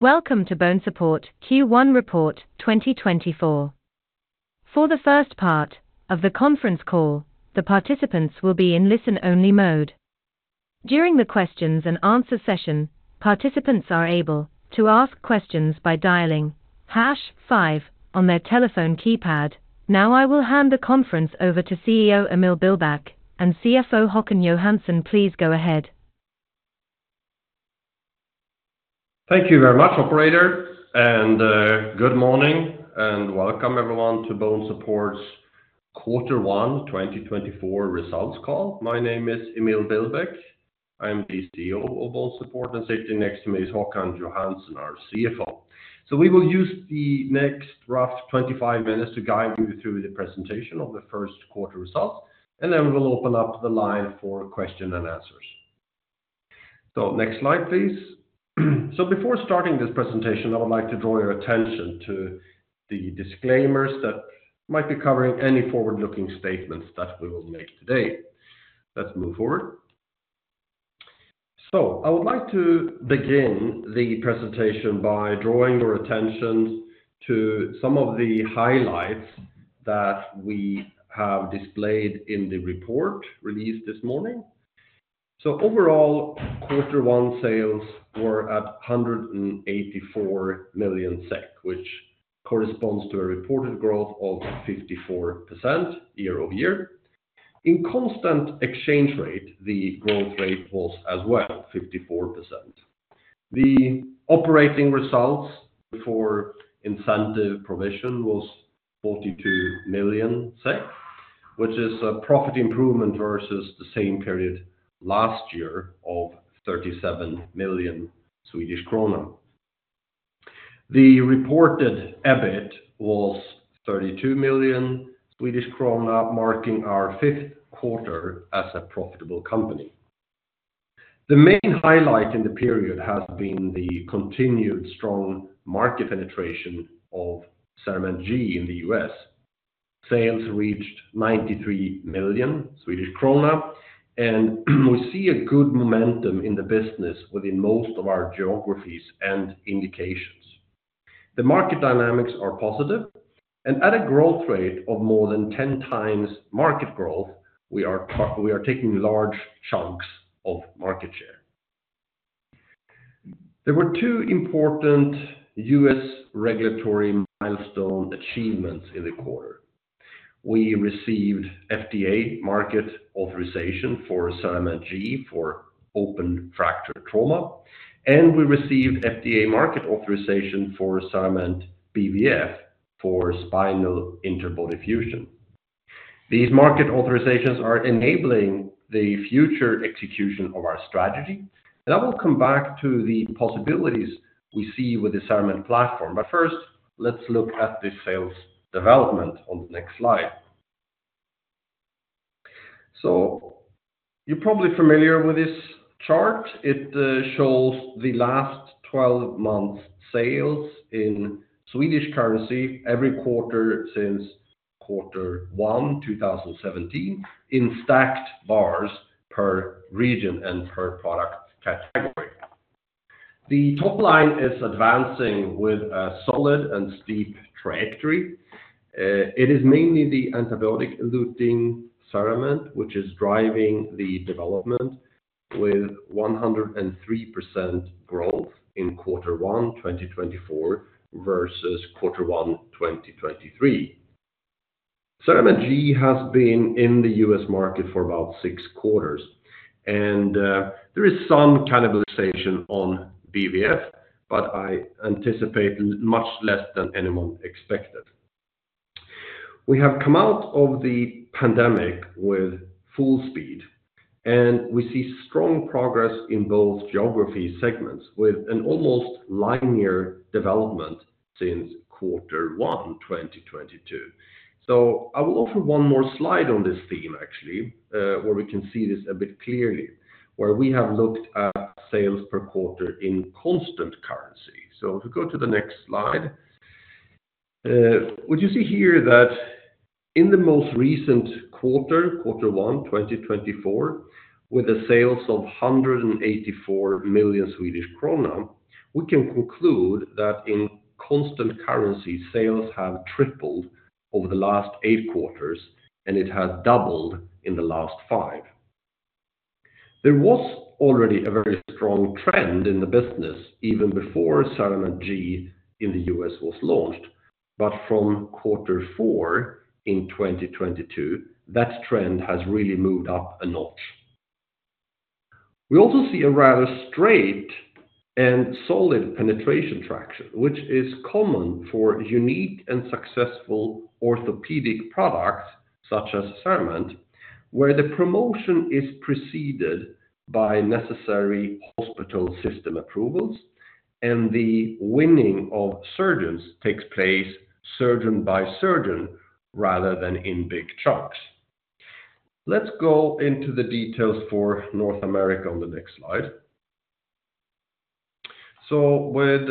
Welcome to BONESUPPORT Q1 Report 2024. For the first part of the conference call, the participants will be in listen-only mode. During the Q&A session, participants are able to ask questions by dialing hash five on their telephone keypad. Now I will hand the conference over to CEO Emil Billbäck and CFO Håkan Johansson, please go ahead. Thank you very much, operator, and good morning and welcome everyone to BONESUPPORT's Quarter One 2024 results call. My name is Emil Billbäck, I am the CEO of BONESUPPORT, and sitting next to me is Håkan Johansson, our CFO. We will use the next roughly 25 minutes to guide you through the presentation of the first quarter results, and then we will open up the line for question and answers. Next slide, please. Before starting this presentation, I would like to draw your attention to the disclaimers that might be covering any forward-looking statements that we will make today. Let's move forward. I would like to begin the presentation by drawing your attention to some of the highlights that we have displayed in the report released this morning. So overall, quarter one sales were at 184 million SEK, which corresponds to a reported growth of 54% year-over-year. In constant exchange rate, the growth rate was as well 54%. The operating results for incentive provision was 42 million, which is a profit improvement versus the same period last year of 37 million Swedish kronor. The reported EBIT was 32 million Swedish krona, marking our fifth quarter as a profitable company. The main highlight in the period has been the continued strong market penetration of CERAMENT G in the U.S. Sales reached 93 million Swedish krona, and we see a good momentum in the business within most of our geographies and indications. The market dynamics are positive, and at a growth rate of more than 10x market growth, we are taking large chunks of market share. There were two important U.S. regulatory milestone achievements in the quarter. We received FDA market authorization for CERAMENT G for open fracture trauma, and we received FDA market authorization for CERAMENT BVF for spinal interbody fusion. These market authorizations are enabling the future execution of our strategy, and I will come back to the possibilities we see with the CERAMENT platform. But first, let's look at the sales development on the next slide. So you're probably familiar with this chart. It shows the last 12 months' sales in Swedish currency every quarter since quarter one 2017 in stacked bars per region and per product category. The top line is advancing with a solid and steep trajectory. It is mainly the antibiotic-eluting CERAMENT, which is driving the development, with 103% growth in quarter one 2024 versus quarter one 2023. CERAMENT G has been in the U.S. market for about six quarters, and there is some cannibalization on BVF, but I anticipate much less than anyone expected. We have come out of the pandemic with full speed, and we see strong progress in both geography segments with an almost linear development since quarter one 2022. So I will offer one more slide on this theme, actually, where we can see this a bit clearly, where we have looked at sales per quarter in constant currency. So if you go to the next slide, would you see here that in the most recent quarter, quarter one 2024, with the sales of 184 million Swedish krona, we can conclude that in constant currency, sales have tripled over the last eight quarters, and it has doubled in the last five. There was already a very strong trend in the business even before CERAMENT G in the U.S. was launched, but from quarter four in 2022, that trend has really moved up a notch. We also see a rather straight and solid penetration traction, which is common for unique and successful orthopedic products such as CERAMENT, where the promotion is preceded by necessary hospital system approvals, and the winning of surgeons takes place surgeon by surgeon rather than in big chunks. Let's go into the details for North America on the next slide. So with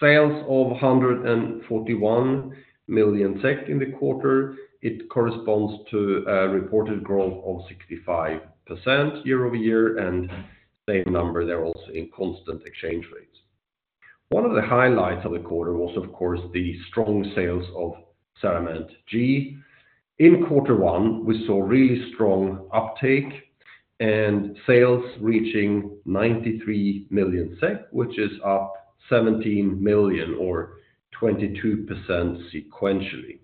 sales of 141 million in the quarter, it corresponds to a reported growth of 65% year-over-year, and same number there also in constant exchange rates. One of the highlights of the quarter was, of course, the strong sales of CERAMENT G. In quarter one, we saw really strong uptake and sales reaching 93 million SEK, which is up 17 million or 22% sequentially.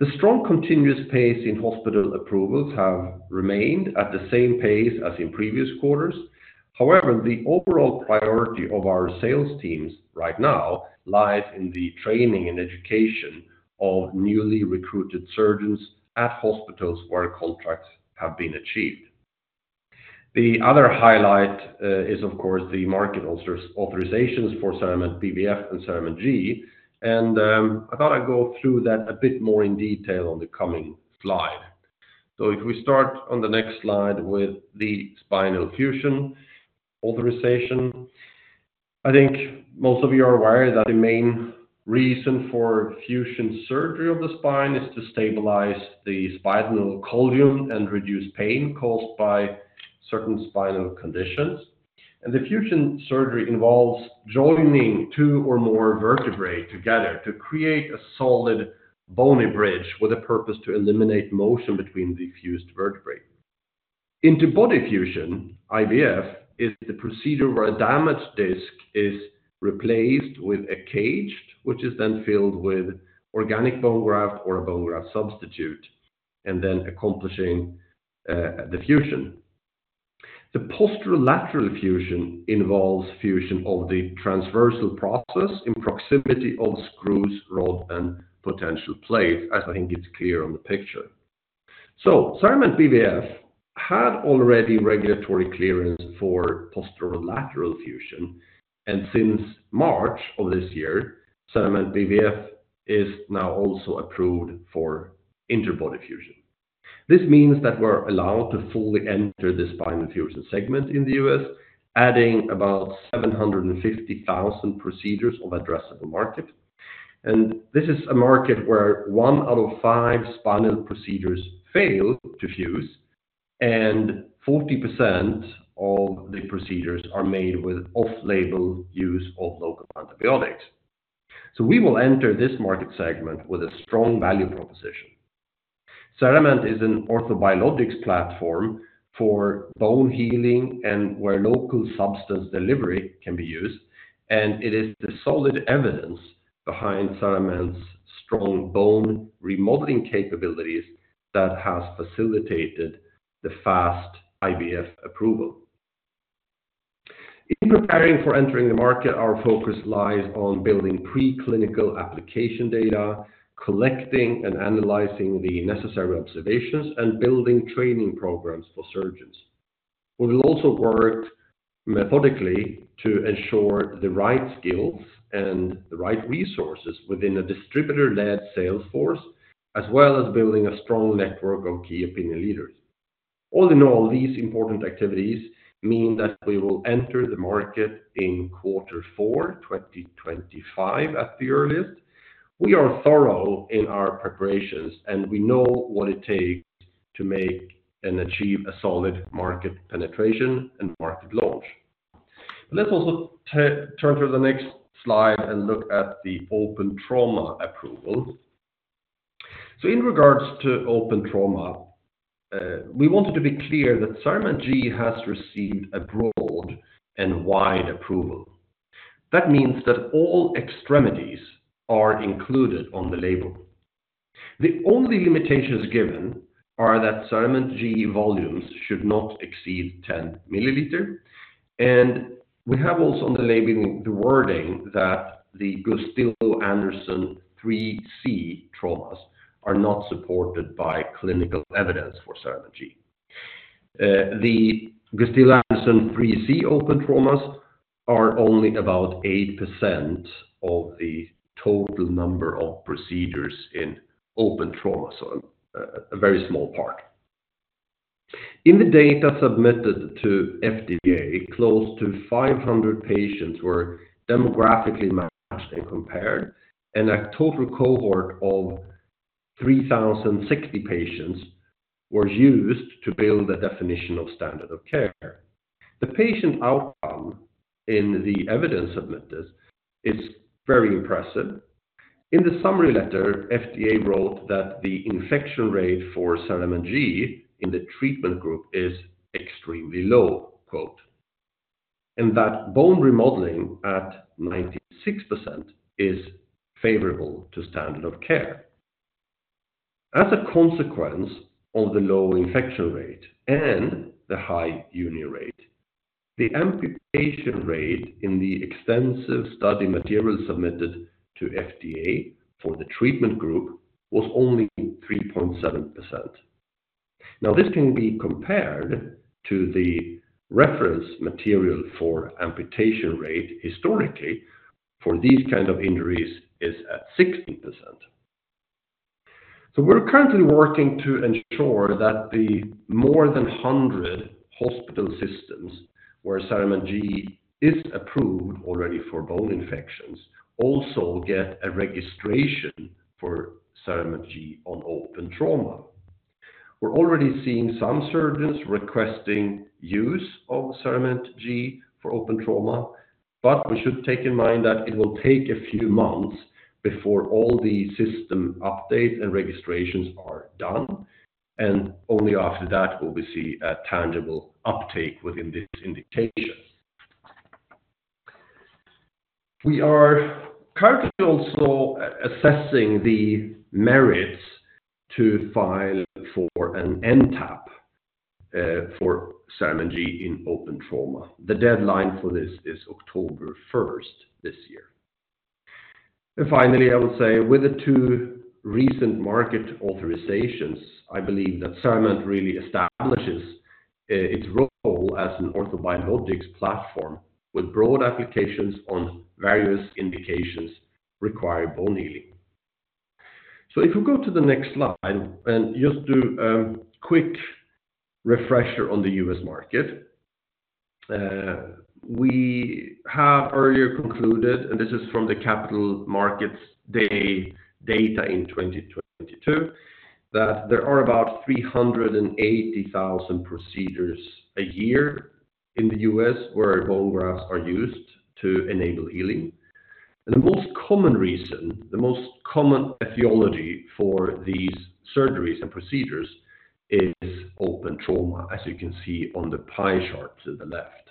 The strong continuous pace in hospital approvals has remained at the same pace as in previous quarters. However, the overall priority of our sales teams right now lies in the training and education of newly recruited surgeons at hospitals where contracts have been achieved. The other highlight is, of course, the market authorizations for CERAMENT BVF and CERAMENT G, and I thought I'd go through that a bit more in detail on the coming slide. So if we start on the next slide with the spinal fusion authorization, I think most of you are aware that the main reason for fusion surgery of the spine is to stabilize the spinal column and reduce pain caused by certain spinal conditions. The fusion surgery involves joining two or more vertebrae together to create a solid bony bridge with a purpose to eliminate motion between the fused vertebrae. Interbody fusion, IBF, is the procedure where a damaged disc is replaced with a cage, which is then filled with organic bone graft or a bone graft substitute, and then accomplishing the fusion. The posterolateral fusion involves fusion of the transverse process in proximity of screws, rods, and potential plates, as I think it's clear on the picture. CERAMENT BVF had already regulatory clearance for posterolateral fusion, and since March of this year, CERAMENT BVF is now also approved for interbody fusion. This means that we're allowed to fully enter the spinal fusion segment in the U.S., adding about 750,000 procedures of addressable market. And this is a market where one out of five spinal procedures fail to fuse, and 40% of the procedures are made with off-label use of local antibiotics. So we will enter this market segment with a strong value proposition. CERAMENT is an orthobiologics platform for bone healing and where local substance delivery can be used, and it is the solid evidence behind CERAMENT's strong bone remodeling capabilities that has facilitated the fast IBF approval. In preparing for entering the market, our focus lies on building preclinical application data, collecting and analyzing the necessary observations, and building training programs for surgeons. We will also work methodically to ensure the right skills and the right resources within a distributor-led sales force, as well as building a strong network of key opinion leaders. All in all, these important activities mean that we will enter the market in quarter four 2025 at the earliest. We are thorough in our preparations, and we know what it takes to make and achieve a solid market penetration and market launch. But let's also turn to the next slide and look at the open trauma approval. So in regards to open trauma, we wanted to be clear that CERAMENT G has received a broad and wide approval. That means that all extremities are included on the label. The only limitations given are that CERAMENT G volumes should not exceed 10 mL, and we have also on the labeling the wording that the Gustilo-Anderson 3C traumas are not supported by clinical evidence for CERAMENT G. The Gustilo-Anderson 3C open traumas are only about 8% of the total number of procedures in open trauma, so a very small part. In the data submitted to FDA, close to 500 patients were demographically matched and compared, and a total cohort of 3,060 patients was used to build a definition of standard of care. The patient outcome in the evidence submitted is very impressive. In the summary letter, FDA wrote that the infection rate for CERAMENT G in the treatment group is "extremely low," and that bone remodeling at 96% is favorable to standard of care. As a consequence of the low infection rate and the high union rate, the amputation rate in the extensive study material submitted to FDA for the treatment group was only 3.7%. Now, this can be compared to the reference material for amputation rate historically for these kinds of injuries is at 16%. So we're currently working to ensure that the more than 100 hospital systems where CERAMENT G is approved already for bone infections also get a registration for CERAMENT G on open trauma. We're already seeing some surgeons requesting use of CERAMENT G for open trauma, but we should take in mind that it will take a few months before all the system updates and registrations are done, and only after that will we see a tangible uptake within this indication. We are currently also assessing the merits to file for an NTAP for CERAMENT G in open trauma. The deadline for this is October 1st this year. And finally, I will say with the two recent market authorizations, I believe that CERAMENT really establishes its role as an orthobiologics platform with broad applications on various indications requiring bone healing. So if we go to the next slide and just do a quick refresher on the U.S. market, we have earlier concluded, and this is from the Capital Markets Day data in 2022, that there are about 380,000 procedures a year in the U.S. where bone grafts are used to enable healing. And the most common reason, the most common etiology for these surgeries and procedures is open trauma, as you can see on the pie chart to the left.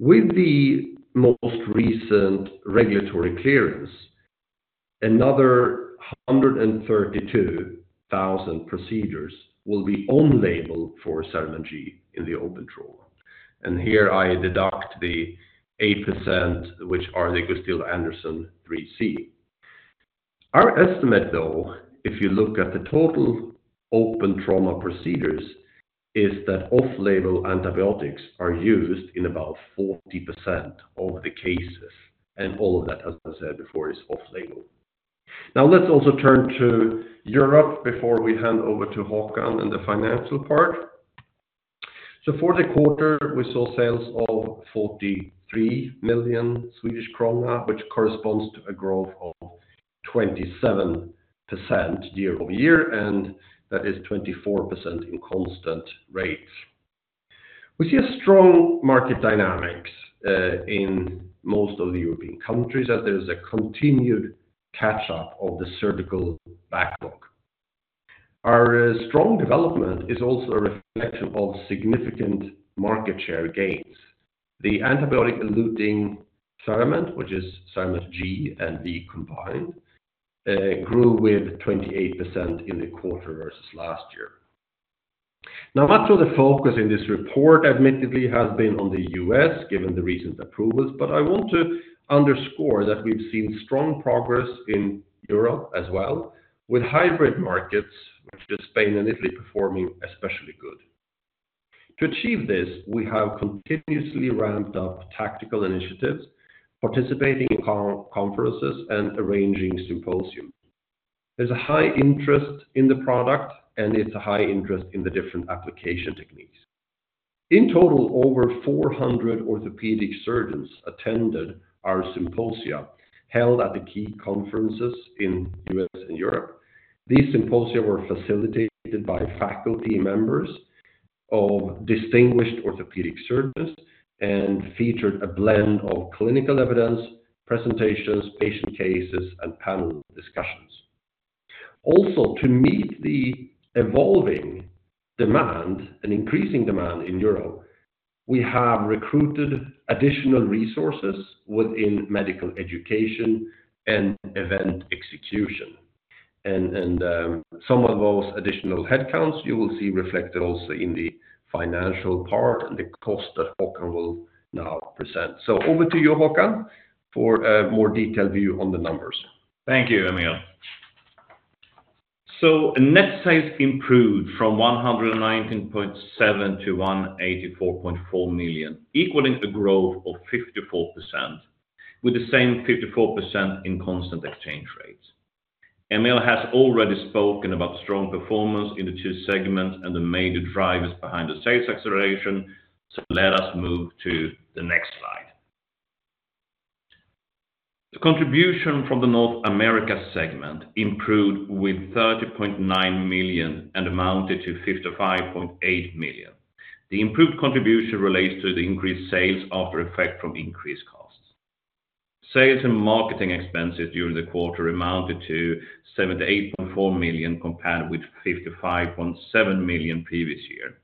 With the most recent regulatory clearance, another 132,000 procedures will be on label for CERAMENT G in the open trauma. And here I deduct the 8%, which are the Gustilo-Anderson 3C. Our estimate, though, if you look at the total open trauma procedures, is that off-label antibiotics are used in about 40% of the cases, and all of that, as I said before, is off-label. Now, let's also turn to Europe before we hand over to Håkan and the financial part. So for the quarter, we saw sales of 43 million Swedish krona, which corresponds to a growth of 27% year-over-year, and that is 24% in constant rates. We see a strong market dynamics in most of the European countries as there is a continued catch-up of the surgical backlog. Our strong development is also a reflection of significant market share gains. The antibiotic-eluting CERAMENT, which is CERAMENT G and CERAMENT V combined, grew with 28% in the quarter versus last year. Now, much of the focus in this report, admittedly, has been on the U.S. given the recent approvals, but I want to underscore that we've seen strong progress in Europe as well with hybrid markets, which are Spain and Italy performing especially good. To achieve this, we have continuously ramped up tactical initiatives, participating in conferences, and arranging symposiums. There's a high interest in the product, and it's a high interest in the different application techniques. In total, over 400 orthopedic surgeons attended our symposia held at the key conferences in the U.S. and Europe. These symposia were facilitated by faculty members of distinguished orthopedic surgeons and featured a blend of clinical evidence, presentations, patient cases, and panel discussions. Also, to meet the evolving demand, an increasing demand in Europe, we have recruited additional resources within medical education and event execution. Some of those additional headcounts you will see reflected also in the financial part and the cost that Håkan will now present. Over to you, Håkan, for a more detailed view on the numbers. Thank you, Emil. So net sales improved from 119.7 million-184.4 million, equaling a growth of 54% with the same 54% in constant exchange rates. Emil has already spoken about strong performance in the two segments and the major drivers behind the sales acceleration, so let us move to the next slide. The contribution from the North America segment improved with 30.9 million and amounted to 55.8 million. The improved contribution relates to the increased sales after effect from increased costs. Sales and marketing expenses during the quarter amounted to 78.4 million compared with 55.7 million previous year,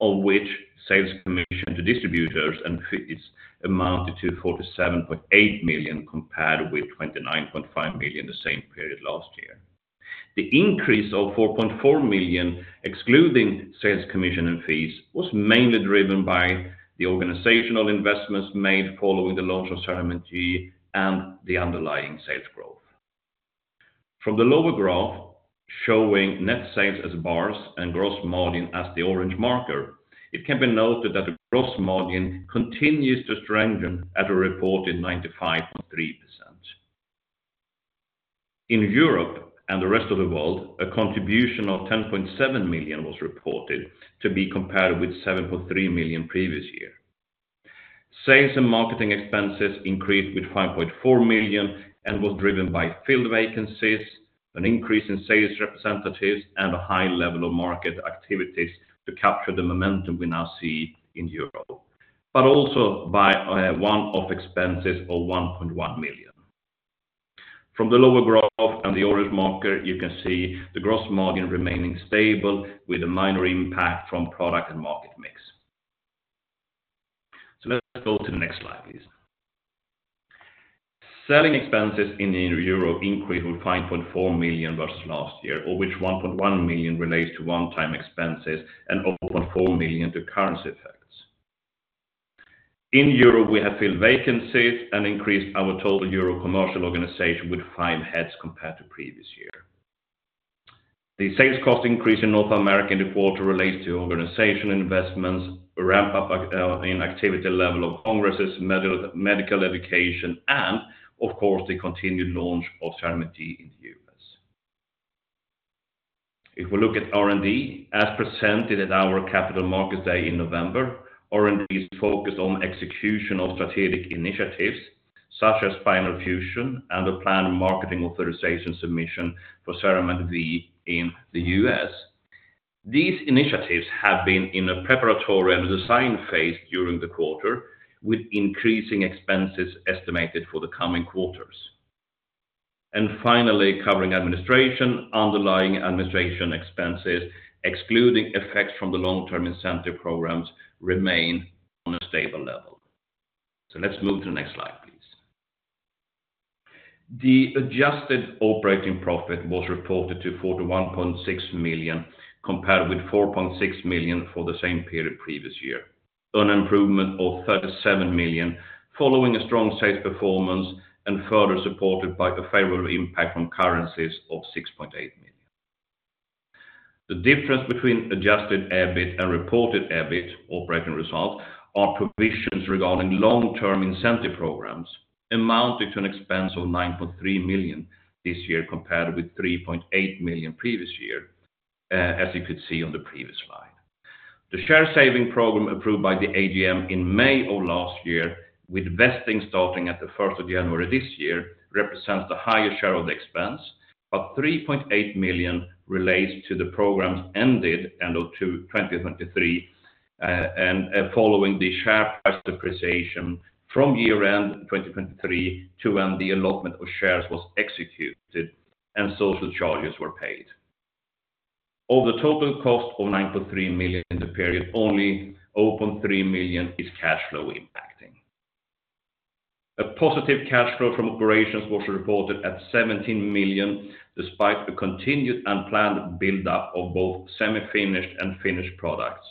of which sales commission to distributors and fees amounted to 47.8 million compared with 29.5 million the same period last year. The increase of 4.4 million excluding sales commission and fees was mainly driven by the organizational investments made following the launch of CERAMENT G and the underlying sales growth. From the lower graph showing net sales as bars and gross margin as the orange marker, it can be noted that the gross margin continues to strengthen at a reported 95.3%. In Europe and the rest of the world, a contribution of 10.7 million was reported to be compared with 7.3 million previous year. Sales and marketing expenses increased with 5.4 million and were driven by filled vacancies, an increase in sales representatives, and a high level of market activities to capture the momentum we now see in Europe, but also by one-off expenses of 1.1 million. From the lower graph and the orange marker, you can see the gross margin remaining stable with a minor impact from product and market mix. So let's go to the next slide, please. Selling expenses in Europe increased with 5.4 million versus last year, of which 1.1 million relates to one-time expenses and 0.4 million to currency effects. In Europe, we have filled vacancies and increased our total European commercial organization with 5 heads compared to previous year. The sales cost increase in North America in the quarter relates to organization investments, ramp-up in activity level of congresses, medical education, and, of course, the continued launch of CERAMENT G in the U.S. If we look at R&D as presented at our Capital Markets Day in November, R&D is focused on execution of strategic initiatives such as spinal fusion and a planned marketing authorization submission for CERAMENT V in the U.S. These initiatives have been in a preparatory and design phase during the quarter with increasing expenses estimated for the coming quarters. And finally, covering administration, underlying administration expenses excluding effects from the long-term incentive programs remain on a stable level. So let's move to the next slide, please. The adjusted operating profit was reported to 41.6 million compared with 4.6 million for the same period previous year, an improvement of 37 million following a strong sales performance and further supported by a favorable impact from currencies of 6.8 million. The difference between adjusted EBIT and reported EBIT operating results are provisions regarding long-term incentive programs amounting to an expense of 9.3 million this year compared with 3.8 million previous year, as you could see on the previous slide. The share saving program approved by the AGM in May of last year with vesting starting at the 1st of January this year represents the highest share of the expense, but 3.8 million relates to the programs ended end of 2023 following the share price depreciation from year-end 2023 to when the allotment of shares was executed and social charges were paid. Of the total cost of 9.3 million in the period, only 0.3 million is cash flow impacting. A positive cash flow from operations was reported at 17 million despite a continued unplanned buildup of both semi-finished and finished products,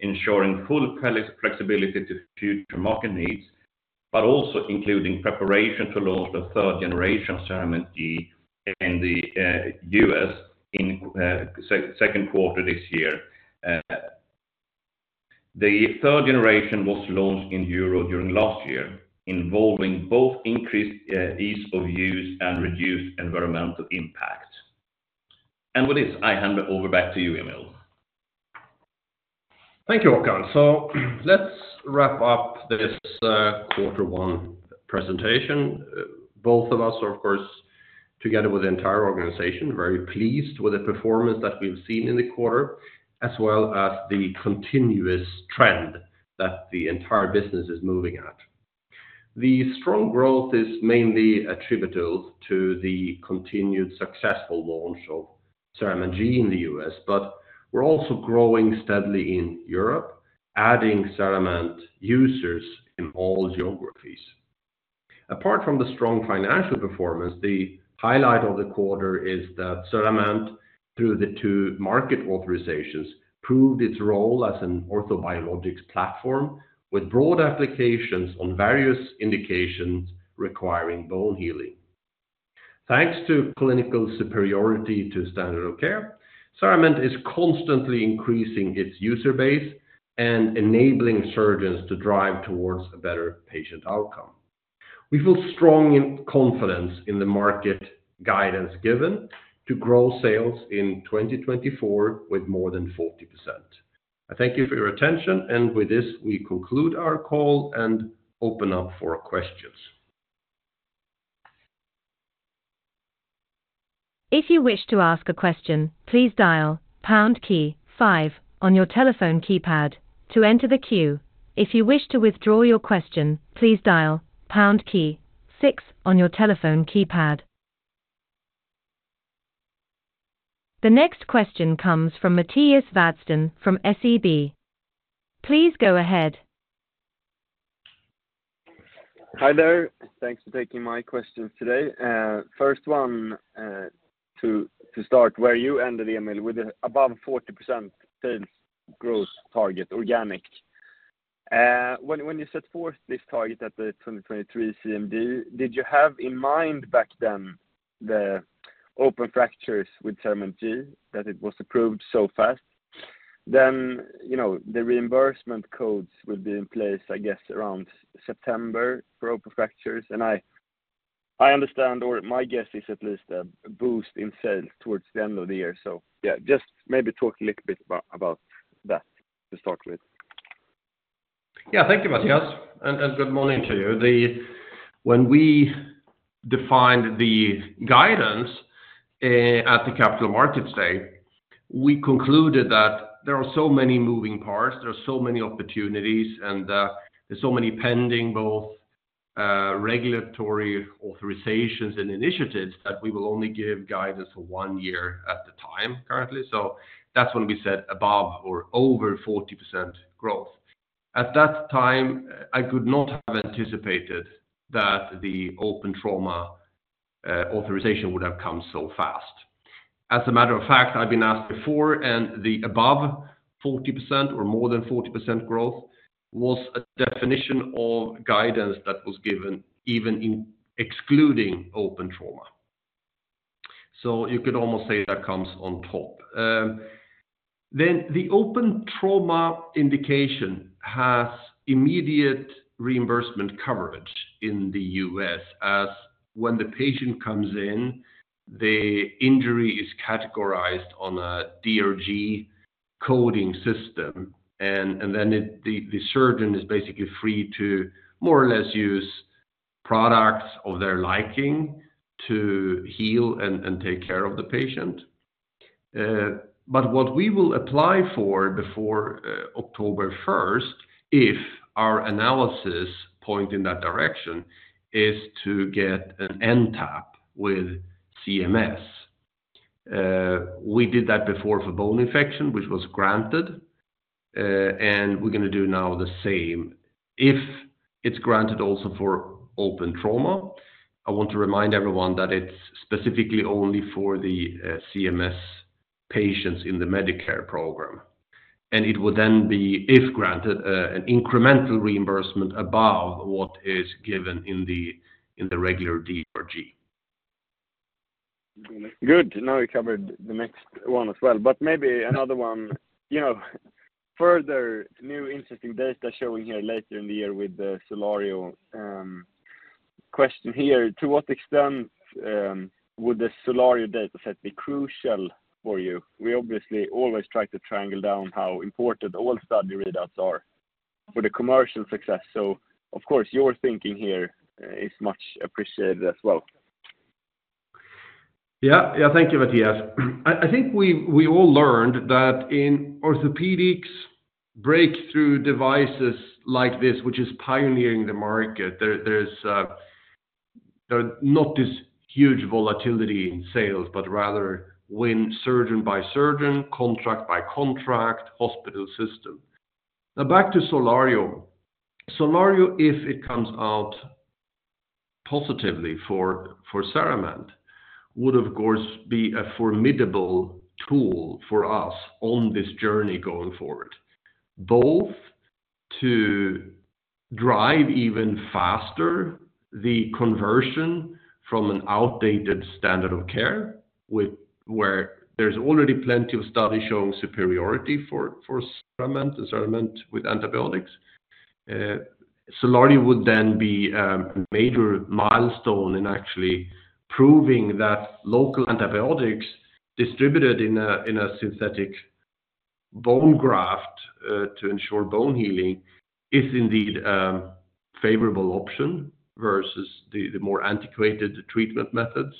ensuring full flexibility to future market needs, but also including preparation to launch the third generation CERAMENT G in the U.S. in second quarter this year. The third generation was launched in Europe during last year involving both increased ease of use and reduced environmental impact. With this, I hand over back to you, Emil. Thank you, Håkan. Let's wrap up this quarter one presentation. Both of us are, of course, together with the entire organization, very pleased with the performance that we've seen in the quarter as well as the continuous trend that the entire business is moving at. The strong growth is mainly attributable to the continued successful launch of CERAMENT G in the U.S., but we're also growing steadily in Europe, adding CERAMENT users in all geographies. Apart from the strong financial performance, the highlight of the quarter is that CERAMENT, through the two market authorizations, proved its role as an orthobiologics platform with broad applications on various indications requiring bone healing. Thanks to clinical superiority to standard of care, CERAMENT is constantly increasing its user base and enabling surgeons to drive towards a better patient outcome. We feel strong confidence in the market guidance given to grow sales in 2024 with more than 40%. I thank you for your attention, and with this, we conclude our call and open up for questions. If you wish to ask a question, please dial pound key five on your telephone keypad to enter the queue. If you wish to withdraw your question, please dial pound key six on your telephone keypad. The next question comes from Mattias Vadsten from SEB. Please go ahead. Hi there. Thanks for taking my questions today. First one, to start, where you ended, Emil, with the above 40% sales growth target, organic. When you set forth this target at the 2023 CMD, did you have in mind back then the open fractures with CERAMENT G, that it was approved so fast? Then the reimbursement codes will be in place, I guess, around September for open fractures. And I understand, or my guess is at least, a boost in sales towards the end of the year. So yeah, just maybe talk a little bit about that to start with. Yeah, thank you, Mattias. And good morning to you. When we defined the guidance at the Capital Markets Day, we concluded that there are so many moving parts, there are so many opportunities, and there's so many pending both regulatory authorizations and initiatives that we will only give guidance for one year at the time currently. So that's when we said above or over 40% growth. At that time, I could not have anticipated that the open trauma authorization would have come so fast. As a matter of fact, I've been asked before, and the above 40% or more than 40% growth was a definition of guidance that was given even excluding open trauma. So you could almost say that comes on top. Then the open trauma indication has immediate reimbursement coverage in the U.S. as when the patient comes in, the injury is categorized on a DRG coding system, and then the surgeon is basically free to more or less use products of their liking to heal and take care of the patient. But what we will apply for before October 1st, if our analysis points in that direction, is to get an NTAP with CMS. We did that before for bone infection, which was granted, and we're going to do now the same if it's granted also for open trauma. I want to remind everyone that it's specifically only for the CMS patients in the Medicare program. And it would then be, if granted, an incremental reimbursement above what is given in the regular DRG. Good. Now you covered the next one as well. But maybe another one, further new interesting data showing here later in the year with the SOLARIO question here. To what extent would the SOLARIO dataset be crucial for you? We obviously always try to triangle down how important all study readouts are for the commercial success. So of course, your thinking here is much appreciated as well. Yeah, yeah, thank you, Mattias. I think we all learned that in orthopedics breakthrough devices like this, which is pioneering the market, there's not this huge volatility in sales, but rather win surgeon by surgeon, contract by contract, hospital system. Now back to SOLARIO. SOLARIO, if it comes out positively for CERAMENT, would, of course, be a formidable tool for us on this journey going forward, both to drive even faster the conversion from an outdated standard of care where there's already plenty of studies showing superiority for CERAMENT and CERAMENT with antibiotics. SOLARIO would then be a major milestone in actually proving that local antibiotics distributed in a synthetic bone graft to ensure bone healing is indeed a favorable option versus the more antiquated treatment methods.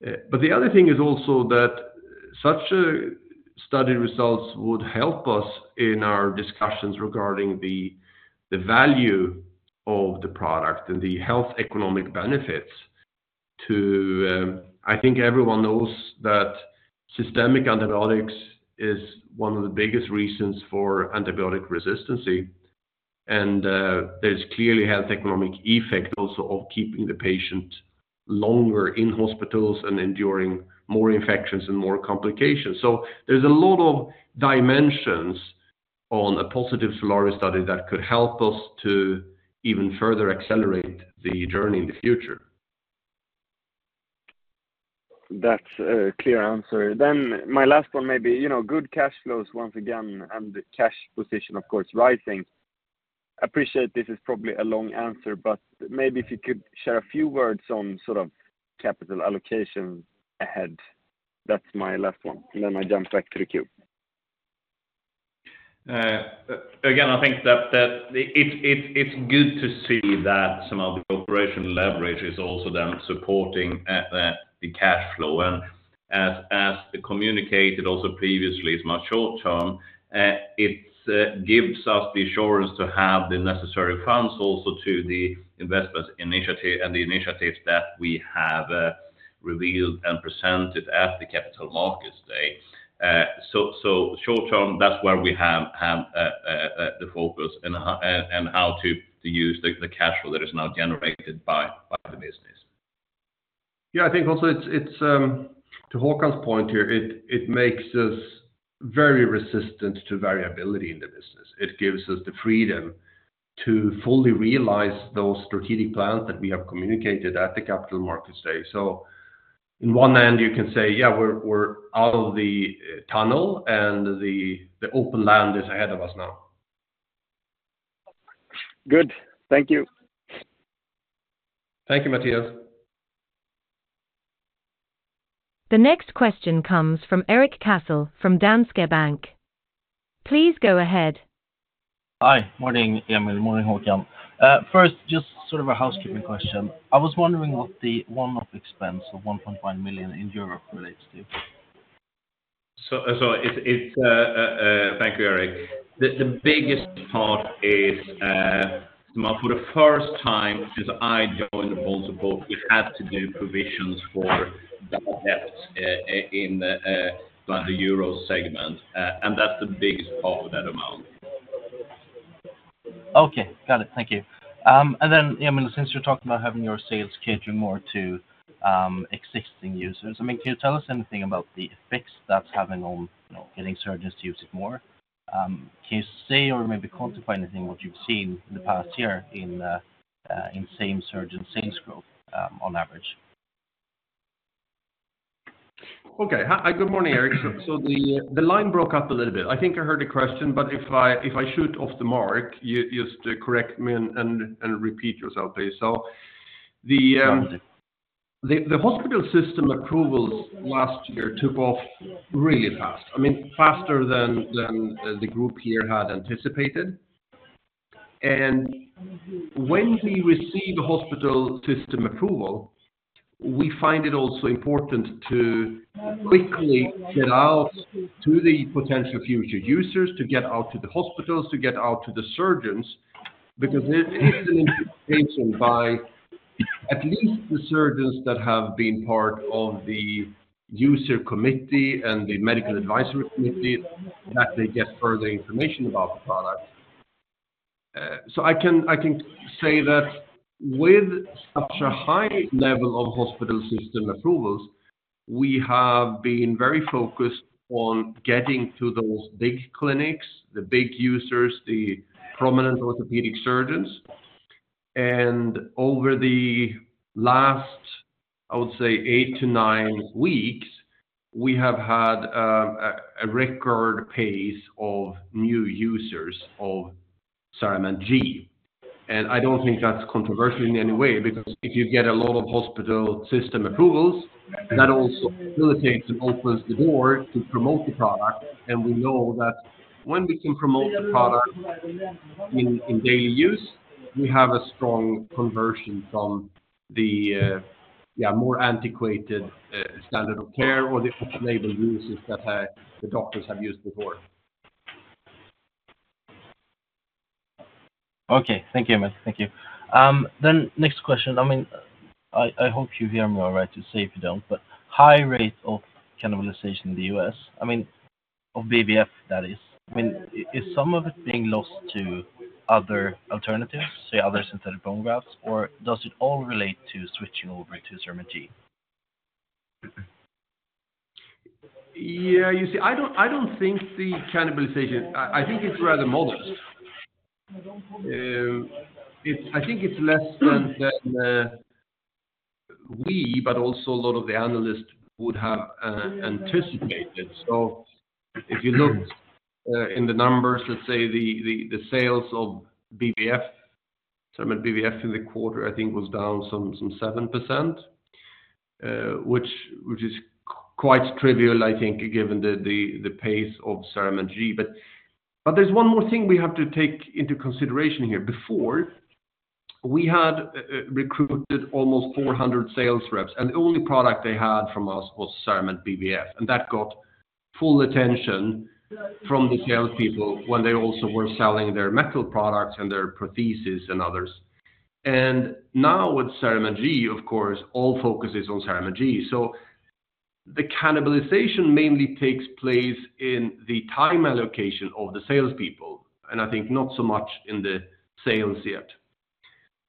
But the other thing is also that such study results would help us in our discussions regarding the value of the product and the health economic benefits, too. I think everyone knows that systemic antibiotics is one of the biggest reasons for antibiotic resistance. And there's clearly health economic effect also of keeping the patient longer in hospitals and enduring more infections and more complications. So there's a lot of dimensions on a positive SOLARIO study that could help us to even further accelerate the journey in the future. That's a clear answer. Then my last one, maybe, good cash flows once again and the cash position, of course, rising. Appreciate this is probably a long answer, but maybe if you could share a few words on sort of capital allocation ahead. That's my last one. And then I jump back to the queue. Again, I think that it's good to see that some of the operational leverage is also then supporting the cash flow. And as communicated also previously is much short term, it gives us the assurance to have the necessary funds also to the investments initiative and the initiatives that we have revealed and presented at the Capital Markets Day. So short term, that's where we have the focus and how to use the cash flow that is now generated by the business. Yeah, I think also to Håkan's point here, it makes us very resistant to variability in the business. It gives us the freedom to fully realize those strategic plans that we have communicated at the Capital Markets Day. So in one end, you can say, yeah, we're out of the tunnel and the open land is ahead of us now. Good. Thank you. Thank you, Mattias. The next question comes from Erik Cassel from Danske Bank. Please go ahead. Hi. Morning, Emil. Morning, Håkan. First, just sort of a housekeeping question. I was wondering what the one-off expense of 1.9 million in Europe relates to? Thank you, Eric. The biggest part is, for the first time since I joined BONESUPPORT, we had to do provisions for that depth in the Europe segment. That's the biggest part of that amount. Okay. Got it. Thank you. And then, Emil, since you're talking about having your sales catering more to existing users, I mean, can you tell us anything about the effects that's having on getting surgeons to use it more? Can you say or maybe quantify anything what you've seen in the past year in same surgeon sales growth on average? Okay. Good morning, Erik. So the line broke up a little bit. I think I heard a question, but if I shoot off the mark, just correct me and repeat yourself, please. The hospital system approvals last year took off really fast. I mean, faster than the group here had anticipated. And when we receive a hospital system approval, we find it also important to quickly get out to the potential future users, to get out to the hospitals, to get out to the surgeons because it is an implication by at least the surgeons that have been part of the user committee and the medical advisory committee that they get further information about the product. So I can say that with such a high level of hospital system approvals, we have been very focused on getting to those big clinics, the big users, the prominent orthopedic surgeons. Over the last, I would say, eight to nine weeks, we have had a record pace of new users of CERAMENT G. I don't think that's controversial in any way because if you get a lot of hospital system approvals, that also facilitates and opens the door to promote the product. We know that when we can promote the product in daily use, we have a strong conversion from the more antiquated standard of care or the open-label uses that the doctors have used before. Okay. Thank you, Emil. Thank you. Then next question. I mean, I hope you hear me all right, say if you don't, but high rate of cannibalization in the U.S., I mean, of BVF, that is. I mean, is some of it being lost to other alternatives, say other synthetic bone grafts, or does it all relate to switching over to CERAMENT G? Yeah, you see, I don't think the cannibalization. I think it's rather modest. I think it's less than we, but also a lot of the analysts would have anticipated. So if you looked in the numbers, let's say the sales of BVF, CERAMENT BVF in the quarter, I think was down some 7%, which is quite trivial, I think, given the pace of CERAMENT G. But there's one more thing we have to take into consideration here. Before, we had recruited almost 400 sales reps, and the only product they had from us was CERAMENT BVF. And that got full attention from the salespeople when they also were selling their metal products and their prostheses and others. And now with CERAMENT G, of course, all focus is on CERAMENT G. So the cannibalization mainly takes place in the time allocation of the salespeople, and I think not so much in the sales yet.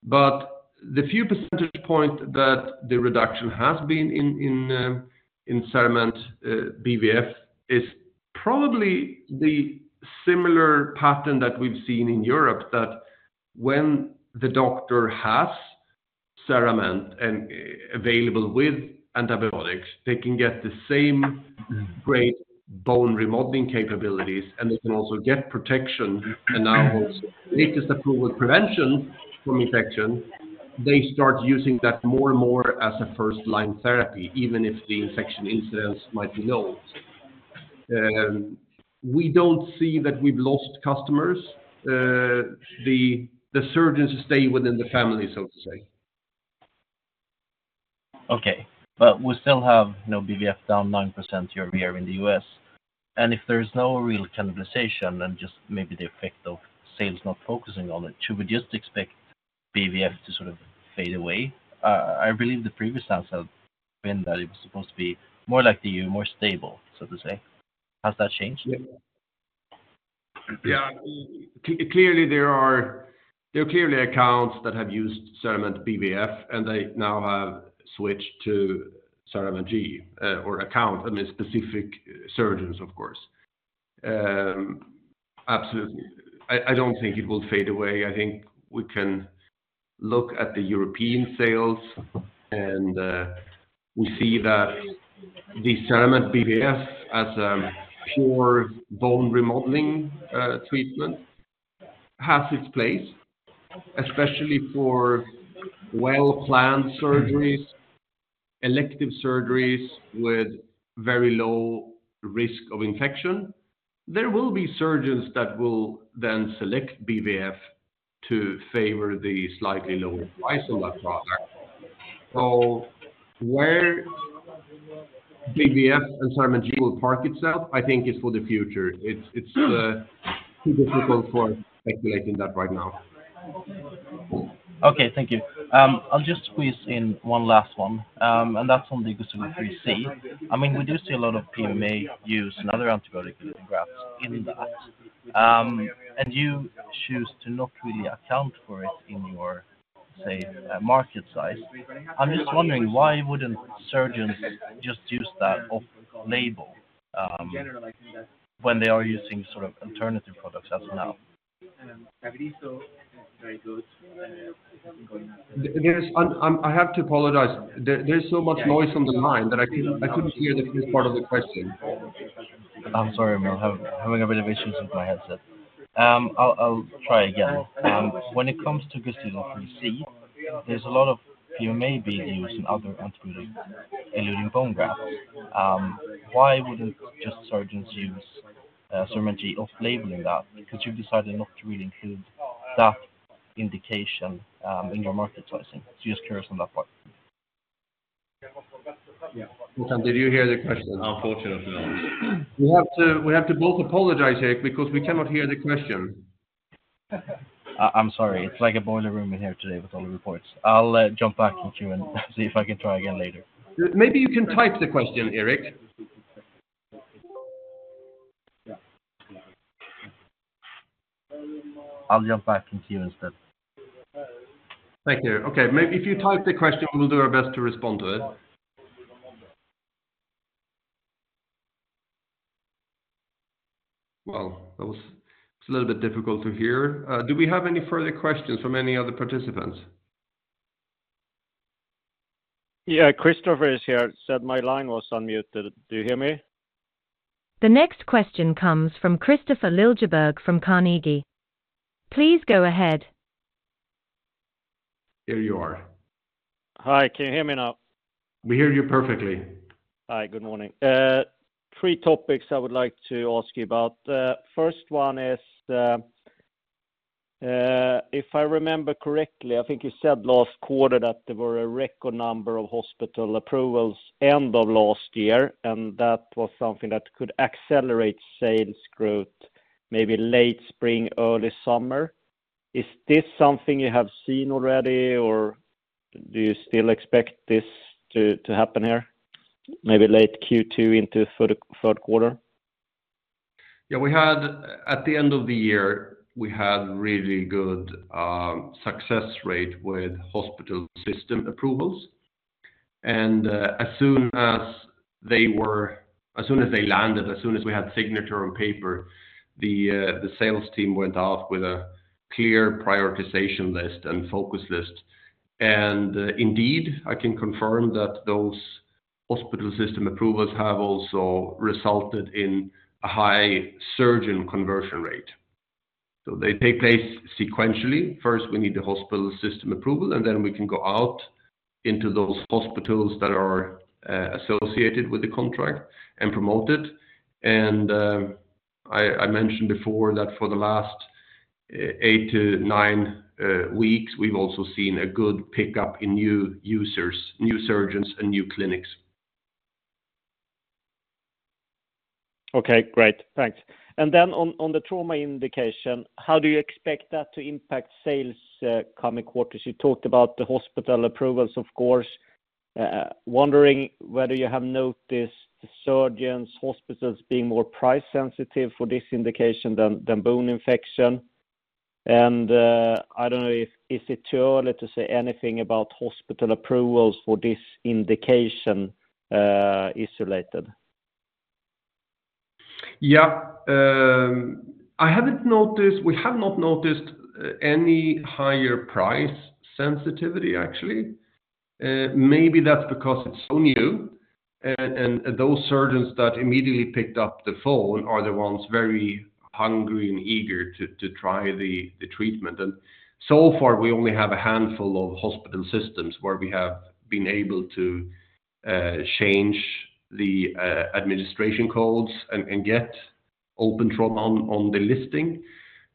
But the few percentage points that the reduction has been in CERAMENT BVF is probably the similar pattern that we've seen in Europe that when the doctor has CERAMENT available with antibiotics, they can get the same great bone remodeling capabilities, and they can also get protection and now also the latest approval prevention from infection. They start using that more and more as a first-line therapy, even if the infection incidence might be low. We don't see that we've lost customers. The surgeons stay within the family, so to say. Okay. But we still have BVF down 9% year-over-year in the U.S. And if there's no real cannibalization and just maybe the effect of sales not focusing on it, should we just expect BVF to sort of fade away? I believe the previous answer has been that it was supposed to be more like the E.U., more stable, so to say. Has that changed? Yeah. Clearly, there are clearly accounts that have used CERAMENT BVF, and they now have switched to CERAMENT G or account, I mean, specific surgeons, of course. Absolutely. I don't think it will fade away. I think we can look at the European sales, and we see that the CERAMENT BVF as a pure bone remodeling treatment has its place, especially for well-planned surgeries, elective surgeries with very low risk of infection. There will be surgeons that will then select BVF to favor the slightly lower price on that product. So where BVF and CERAMENT G will park itself, I think, is for the future. It's too difficult for us to speculate in that right now. Okay. Thank you. I'll just squeeze in one last one, and that's on the Gustilo-Anderson 3C. I mean, we do see a lot of PMA use and other antibiotic-related grafts in that. And you choose to not really account for it in your, say, market size. I'm just wondering, why wouldn't surgeons just use that off-label when they are using sort of alternative products as of now? I have to apologize. There's so much noise on the line that I couldn't hear the first part of the question. I'm sorry, Emil. Having a bit of issues with my headset. I'll try again. When it comes to Gustilo-Anderson 3C, there's a lot of PMA being used in other antibiotic-eluting bone grafts. Why wouldn't just surgeons use CERAMENT G off-labeling that? Because you've decided not to really include that indication in your market sizing. So just curious on that part. Håkan, did you hear the question? Unfortunately not. We have to both apologize, Erik, because we cannot hear the question. I'm sorry. It's like a boiler room in here today with all the reports. I'll jump back in queue and see if I can try again later. Maybe you can type the question, Erik. I'll jump back in queue instead. Thank you, Erik. Okay. If you type the question, we'll do our best to respond to it. Well, that was a little bit difficult to hear. Do we have any further questions from any other participants? Yeah. Kristofer is here. Said my line was unmuted. Do you hear me? The next question comes from Kristofer Liljeberg from Carnegie. Please go ahead. Here you are. Hi. Can you hear me now? We hear you perfectly. Hi. Good morning. Three topics I would like to ask you about. First one is, if I remember correctly, I think you said last quarter that there were a record number of hospital approvals end of last year, and that was something that could accelerate sales growth maybe late spring, early summer. Is this something you have seen already, or do you still expect this to happen here, maybe late Q2 into third quarter? Yeah. At the end of the year, we had really good success rate with hospital system approvals. And as soon as they landed, as soon as we had signature on paper, the sales team went off with a clear prioritization list and focus list. And indeed, I can confirm that those hospital system approvals have also resulted in a high surgeon conversion rate. So they take place sequentially. First, we need the hospital system approval, and then we can go out into those hospitals that are associated with the contract and promote it. And I mentioned before that for the last eight to nine weeks, we've also seen a good pickup in new users, new surgeons, and new clinics. Okay. Great. Thanks. And then on the trauma indication, how do you expect that to impact sales coming quarters? You talked about the hospital approvals, of course. Wondering whether you have noticed surgeons, hospitals being more price-sensitive for this indication than bone infection. And I don't know if it's too early to say anything about hospital approvals for this indication isolated. Yeah. We have not noticed any higher price sensitivity, actually. Maybe that's because it's so new. And those surgeons that immediately picked up the phone are the ones very hungry and eager to try the treatment. And so far, we only have a handful of hospital systems where we have been able to change the administration codes and get open trauma on the listing.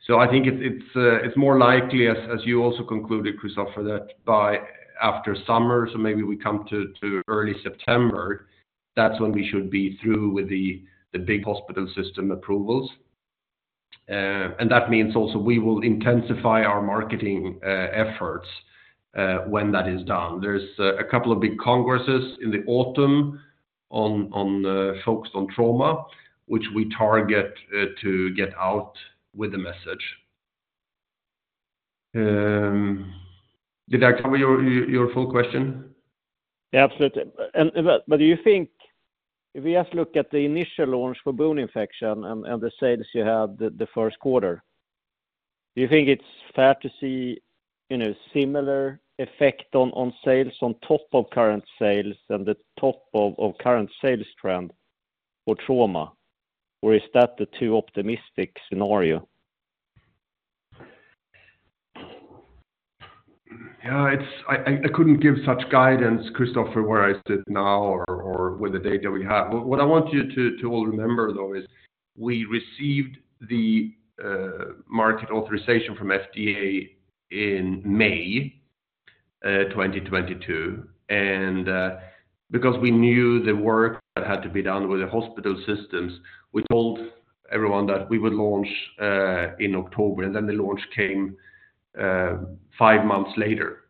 So I think it's more likely, as you also concluded, Kristofer, that after summer, so maybe we come to early September, that's when we should be through with the big hospital system approvals. And that means also we will intensify our marketing efforts when that is done. There's a couple of big congresses in the autumn focused on trauma, which we target to get out with a message. Did I cover your full question? Yeah. Absolutely. But do you think if we just look at the initial launch for bone infection and the sales you had the first quarter, do you think it's fair to see a similar effect on sales on top of current sales and the top of current sales trend for trauma? Or is that the too optimistic scenario? Yeah. I couldn't give such guidance, Kristofer, where I sit now or with the data we have. What I want you to all remember, though, is we received the market authorization from FDA in May 2022. And because we knew the work that had to be done with the hospital systems, we told everyone that we would launch in October, and then the launch came five months later.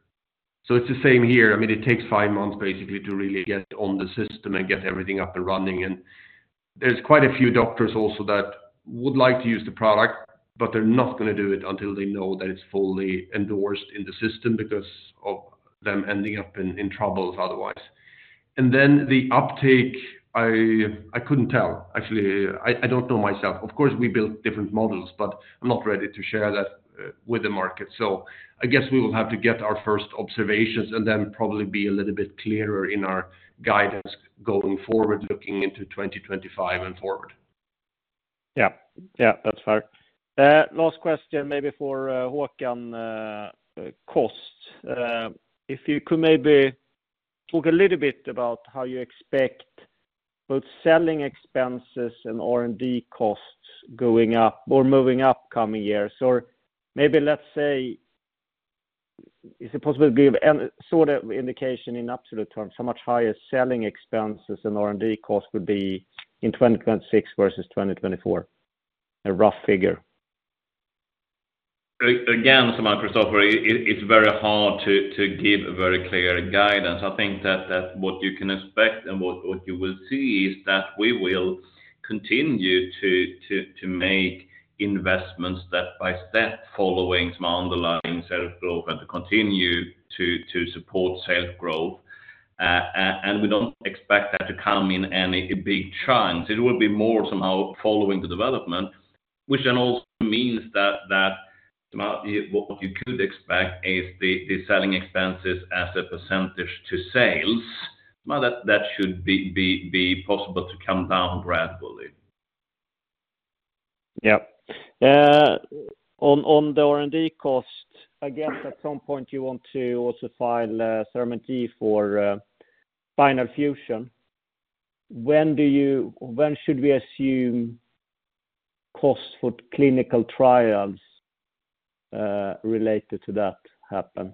So it's the same here. I mean, it takes five months, basically, to really get on the system and get everything up and running. And there's quite a few doctors also that would like to use the product, but they're not going to do it until they know that it's fully endorsed in the system because of them ending up in troubles otherwise. And then the uptake, I couldn't tell, actually. I don't know myself. Of course, we built different models, but I'm not ready to share that with the market. So I guess we will have to get our first observations and then probably be a little bit clearer in our guidance going forward, looking into 2025 and forward. Yeah. Yeah. That's fair. Last question maybe for Håkan. If you could maybe talk a little bit about how you expect both selling expenses and R&D costs going up or moving up coming years. Or maybe, let's say, is it possible to give a sort of indication in absolute terms, how much higher selling expenses and R&D costs would be in 2026 versus 2024, a rough figure? Again, Kristofer, it's very hard to give a very clear guidance. I think that what you can expect and what you will see is that we will continue to make investments step by step following some underlying sales growth and to continue to support sales growth. And we don't expect that to come in any big chunks. It will be more somehow following the development, which then also means that what you could expect is the selling expenses as a percentage to sales. That should be possible to come down gradually. Yeah. On the R&D cost, I guess at some point you want to also file CERAMENT G for final fusion. When should we assume costs for clinical trials related to that happen?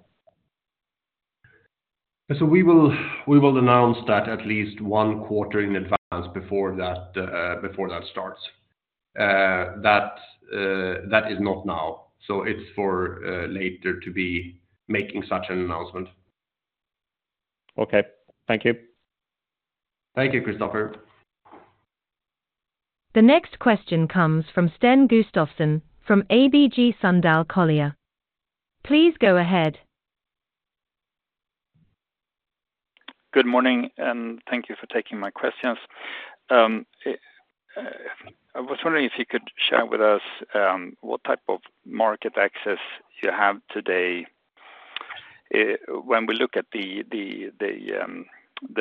We will announce that at least one quarter in advance before that starts. That is not now. It's for later to be making such an announcement. Okay. Thank you. Thank you, Kristofer. The next question comes from Sten Gustafsson from ABG Sundal Collier. Please go ahead. Good morning, and thank you for taking my questions. I was wondering if you could share with us what type of market access you have today when we look at the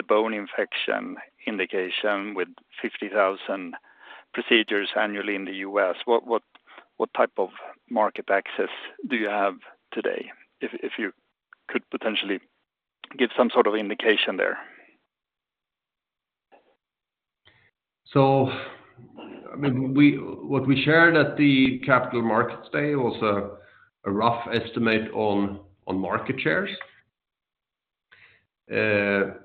bone infection indication with 50,000 procedures annually in the U.S. What type of market access do you have today if you could potentially give some sort of indication there? So what we shared at the Capital Markets Day was a rough estimate on market shares.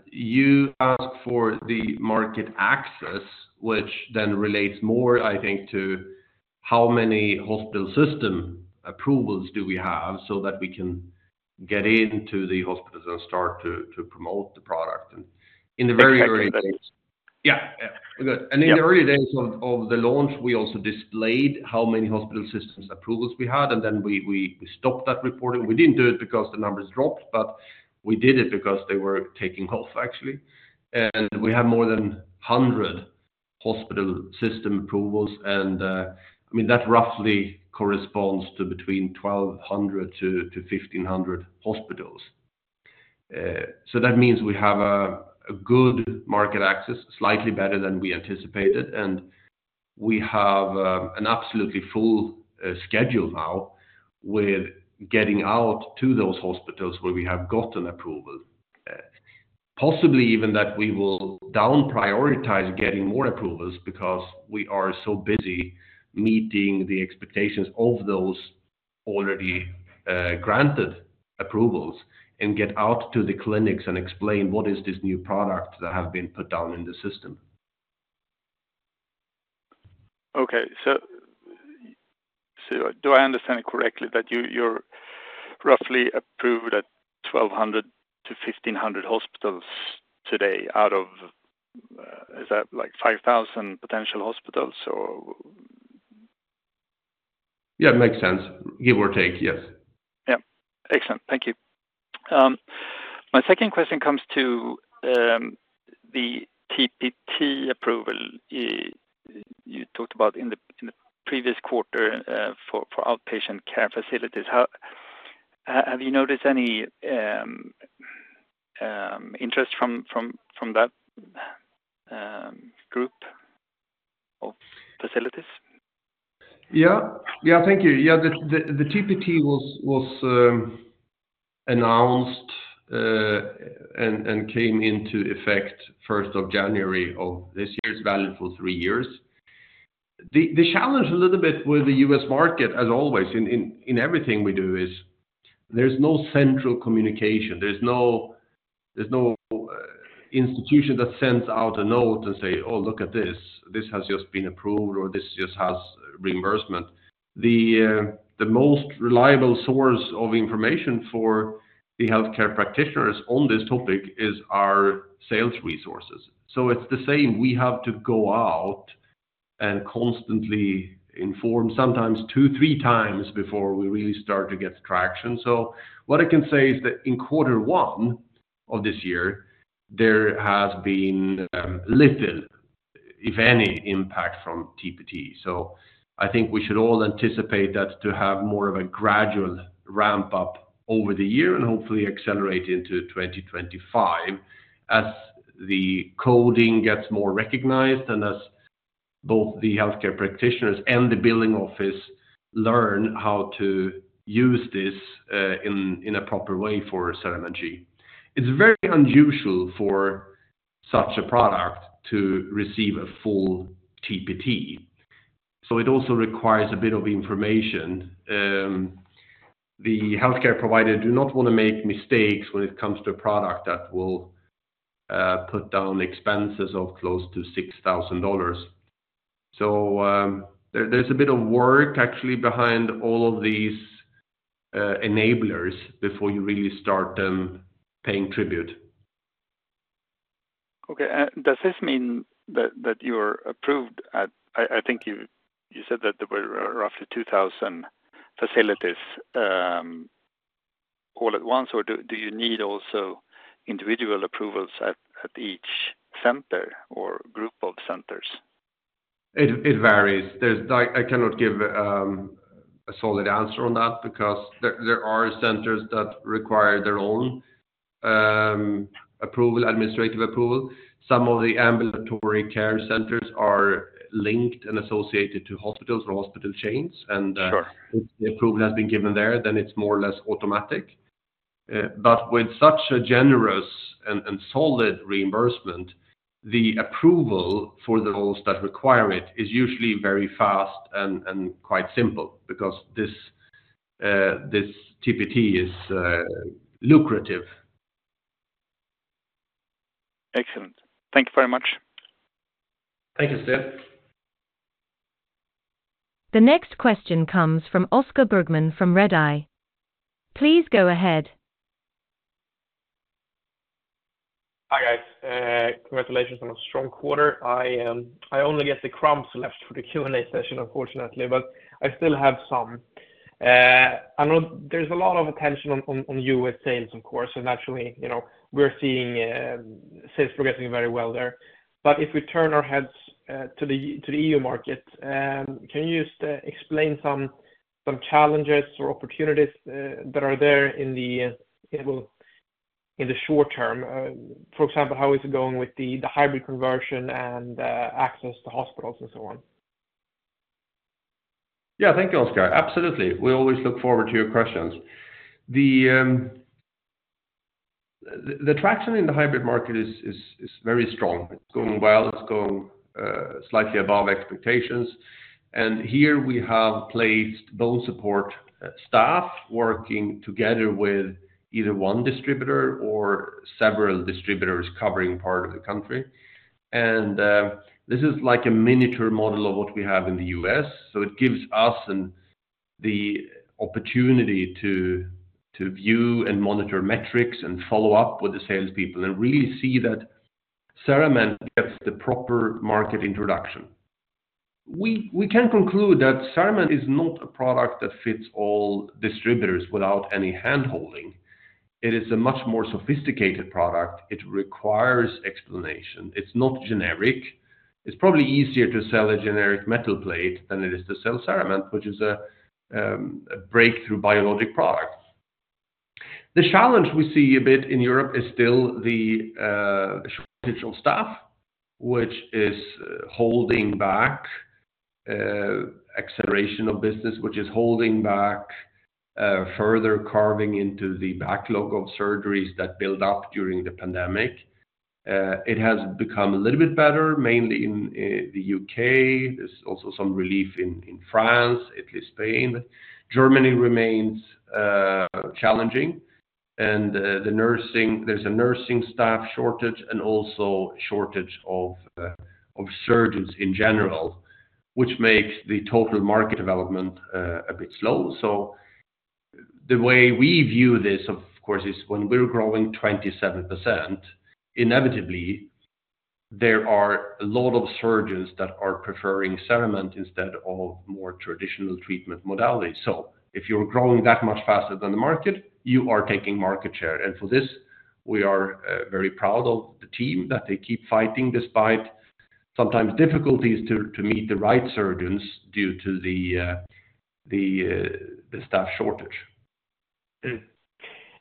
You asked for the market access, which then relates more, I think, to how many hospital system approvals do we have so that we can get into the hospitals and start to promote the product. And in the very early days. And in the early days of the launch, we also displayed how many hospital systems approvals we had, and then we stopped that reporting. We didn't do it because the numbers dropped, but we did it because they were taking off, actually. And we have more than 100 hospital system approvals. And I mean, that roughly corresponds to between 1,200-1,500 hospitals. So that means we have a good market access, slightly better than we anticipated. And we have an absolutely full schedule now with getting out to those hospitals where we have gotten approval, possibly even that we will downprioritize getting more approvals because we are so busy meeting the expectations of those already granted approvals and get out to the clinics and explain what is this new product that has been put down in the system. Okay. So do I understand it correctly that you're roughly approved at 1,200-1,500 hospitals today out of, is that like 5,000 potential hospitals, or? Yeah. It makes sense. Give or take. Yes. Yeah. Excellent. Thank you. My second question comes to the TPT approval you talked about in the previous quarter for outpatient care facilities. Have you noticed any interest from that group of facilities? Yeah. Yeah. Thank you. Yeah. The TPT was announced and came into effect 1st of January of this year, valid for three years. The challenge a little bit with the U.S. market, as always in everything we do, is there's no central communication. There's no institution that sends out a note and say, "Oh, look at this. This has just been approved," or, "This just has reimbursement." The most reliable source of information for the healthcare practitioners on this topic is our sales resources. So it's the same. We have to go out and constantly inform, sometimes two, three times before we really start to get traction. So what I can say is that in quarter one of this year, there has been little, if any, impact from TPT. So I think we should all anticipate that to have more of a gradual ramp-up over the year and hopefully accelerate into 2025 as the coding gets more recognized and as both the healthcare practitioners and the billing office learn how to use this in a proper way for CERAMENT G. It's very unusual for such a product to receive a full TPT. So it also requires a bit of information. The healthcare providers do not want to make mistakes when it comes to a product that will put down expenses of close to $6,000. So there's a bit of work, actually, behind all of these enablers before you really start them paying tribute. Okay. Does this mean that you're approved at—I think you said that there were roughly 2,000 facilities all at once, or do you need also individual approvals at each center or group of centers? It varies. I cannot give a solid answer on that because there are centers that require their own approval, administrative approval. Some of the ambulatory care centers are linked and associated to hospitals or hospital chains. And if the approval has been given there, then it's more or less automatic. But with such a generous and solid reimbursement, the approval for those that require it is usually very fast and quite simple because this TPT is lucrative. Excellent. Thank you very much. Thank you, Sten. The next question comes from Oscar Bergman from Redeye. Please go ahead. Hi, guys. Congratulations on a strong quarter. I only get the crumbs left for the Q&A session, unfortunately, but I still have some. I know there's a lot of attention on U.S. sales, of course, and naturally, we're seeing sales progressing very well there. But if we turn our heads to the E.U. market, can you just explain some challenges or opportunities that are there in the short term? For example, how is it going with the hybrid conversion and access to hospitals and so on? Yeah. Thank you, Oscar. Absolutely. We always look forward to your questions. The traction in the hybrid market is very strong. It's going well. It's going slightly above expectations. Here we have placed BONESUPPORT staff working together with either one distributor or several distributors covering part of the country. This is like a miniature model of what we have in the U.S. So it gives us the opportunity to view and monitor metrics and follow up with the salespeople and really see that CERAMENT gets the proper market introduction. We can conclude that CERAMENT is not a product that fits all distributors without any handholding. It is a much more sophisticated product. It requires explanation. It's not generic. It's probably easier to sell a generic metal plate than it is to sell CERAMENT, which is a breakthrough biologic product. The challenge we see a bit in Europe is still the shortage of staff, which is holding back acceleration of business, which is holding back further carving into the backlog of surgeries that build up during the pandemic. It has become a little bit better, mainly in the UK. There's also some relief in France, Italy, Spain. Germany remains challenging. And there's a nursing staff shortage and also shortage of surgeons in general, which makes the total market development a bit slow. So the way we view this, of course, is when we're growing 27%, inevitably, there are a lot of surgeons that are preferring CERAMENT instead of more traditional treatment modalities. So if you're growing that much faster than the market, you are taking market share. For this, we are very proud of the team that they keep fighting despite sometimes difficulties to meet the right surgeons due to the staff shortage.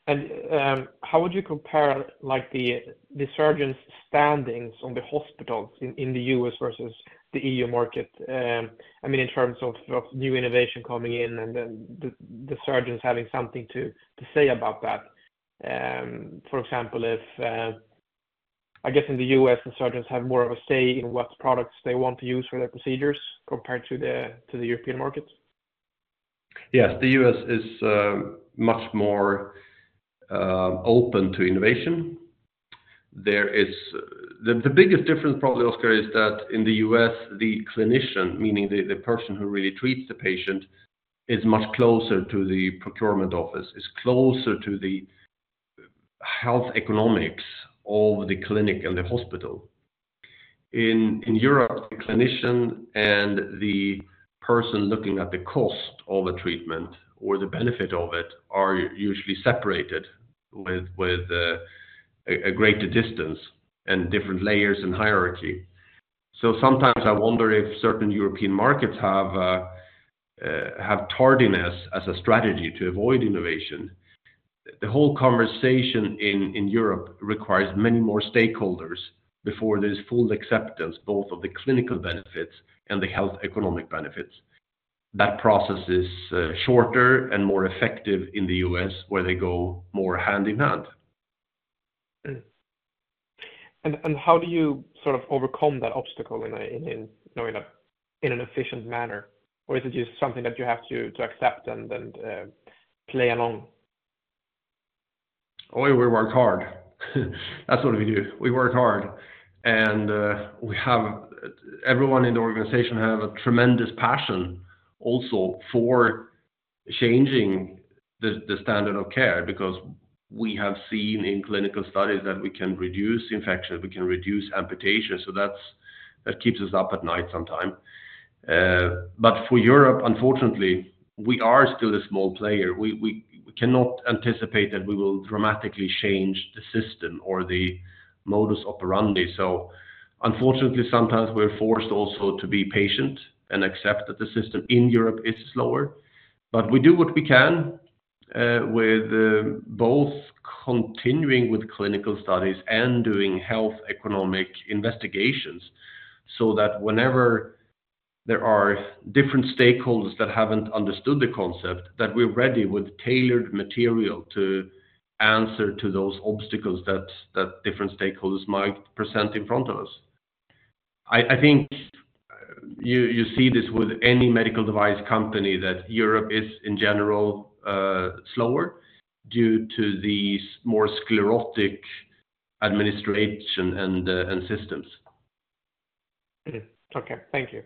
How would you compare the surgeons' standings on the hospitals in the U.S. versus the E.U. market? I mean, in terms of new innovation coming in and the surgeons having something to say about that. For example, I guess in the U.S., the surgeons have more of a say in what products they want to use for their procedures compared to the European market. Yes. The U.S. is much more open to innovation. The biggest difference, probably, Oscar, is that in the U.S., the clinician, meaning the person who really treats the patient, is much closer to the procurement office, is closer to the health economics of the clinic and the hospital. In Europe, the clinician and the person looking at the cost of a treatment or the benefit of it are usually separated with a greater distance and different layers and hierarchy. So sometimes I wonder if certain European markets have tardiness as a strategy to avoid innovation. The whole conversation in Europe requires many more stakeholders before there's full acceptance, both of the clinical benefits and the health economic benefits. That process is shorter and more effective in the U.S., where they go more hand in hand. How do you sort of overcome that obstacle in knowing that in an efficient manner, or is it just something that you have to accept and play along? Oh, we work hard. That's what we do. We work hard. And everyone in the organization has a tremendous passion also for changing the standard of care because we have seen in clinical studies that we can reduce infection, we can reduce amputation. So that keeps us up at night sometimes. But for Europe, unfortunately, we are still a small player. We cannot anticipate that we will dramatically change the system or the modus operandi. So unfortunately, sometimes we're forced also to be patient and accept that the system in Europe is slower. But we do what we can with both continuing with clinical studies and doing health economic investigations so that whenever there are different stakeholders that haven't understood the concept, that we're ready with tailored material to answer to those obstacles that different stakeholders might present in front of us. I think you see this with any medical device company, that Europe is, in general, slower due to the more sclerotic administration and systems. Okay. Thank you.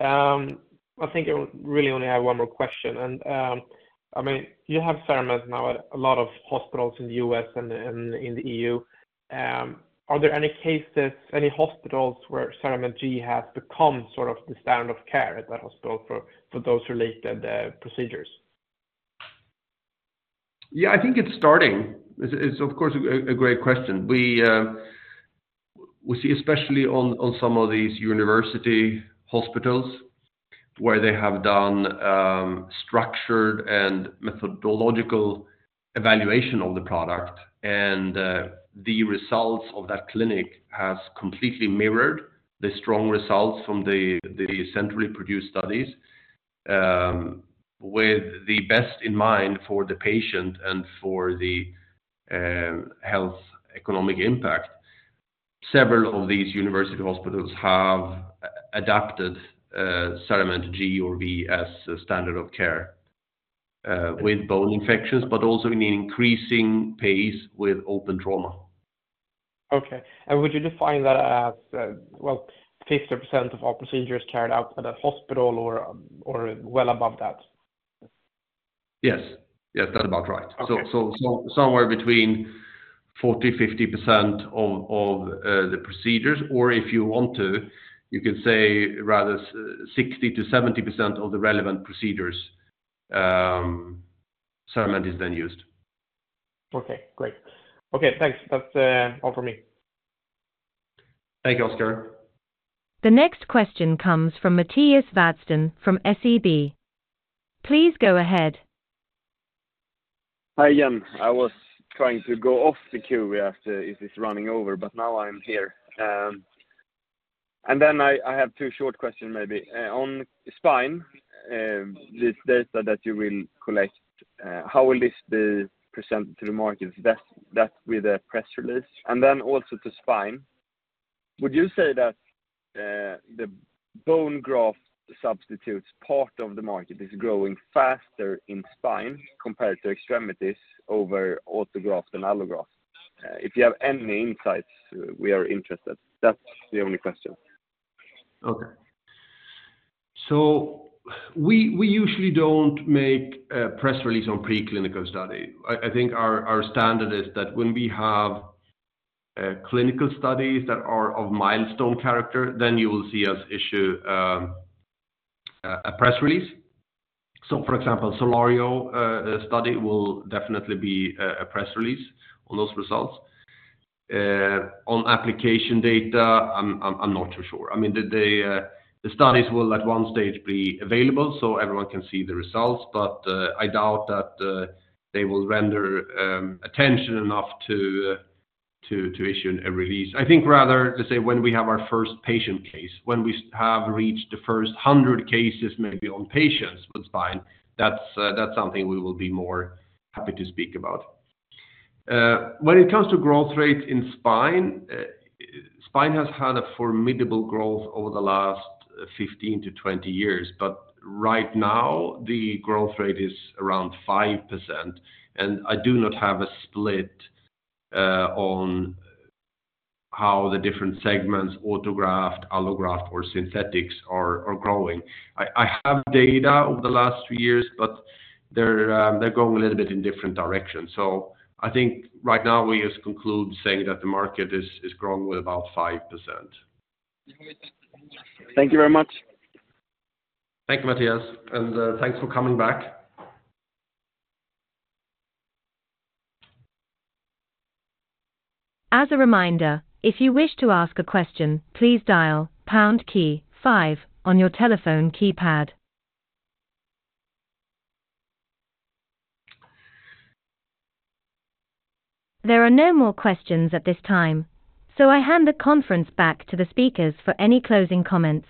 I think I really only have one more question. And I mean, you have CERAMENT now at a lot of hospitals in the U.S. and in the E.U. Are there any cases, any hospitals where CERAMENT G has become sort of the standard of care at that hospital for those related procedures? Yeah. I think it's starting. It's, of course, a great question. We see, especially on some of these university hospitals, where they have done structured and methodological evaluation of the product, and the results of that clinic have completely mirrored the strong results from the centrally produced studies with the best in mind for the patient and for the health economic impact. Several of these university hospitals have adopted CERAMENT G or V as standard of care with bone infections, but also in an increasing pace with open trauma. Okay. And would you define that as, well, 50% of all procedures carried out at a hospital or well above that? Yes. Yes. That's about right. So somewhere between 40%-50% of the procedures, or if you want to, you can say rather 60%-70% of the relevant procedures, CERAMENT is then used. Okay. Great. Okay. Thanks. That's all from me. Thank you, Oscar. The next question comes from Mattias Vadsten from SEB. Please go ahead. Hi again. I was trying to go off the queue if it's running over, but now I'm here. And then I have two short questions, maybe. On spine, this data that you will collect, how will this be presented to the market? Is that with a press release? And then also to spine, would you say that the bone graft substitutes, part of the market, is growing faster in spine compared to extremities over autograft and allograft? If you have any insights, we are interested. That's the only question. Okay. So we usually don't make a press release on preclinical study. I think our standard is that when we have clinical studies that are of milestone character, then you will see us issue a press release. So, for example, SOLARIO study will definitely be a press release on those results. On application data, I'm not too sure. I mean, the studies will at one stage be available so everyone can see the results, but I doubt that they will render attention enough to issue a release. I think rather, let's say, when we have our first patient case, when we have reached the first 100 cases, maybe on patients with spine, that's something we will be more happy to speak about. When it comes to growth rate in spine, spine has had a formidable growth over the last 15-20 years, but right now, the growth rate is around 5%. I do not have a split on how the different segments, autograft, allograft, or synthetics, are growing. I have data over the last few years, but they're going a little bit in different directions. I think right now, we just conclude saying that the market is growing with about 5%. Thank you very much. Thank you, Mattias. Thanks for coming back. As a reminder, if you wish to ask a question, please dial pound key five on your telephone keypad. There are no more questions at this time, so I hand the conference back to the speakers for any closing comments.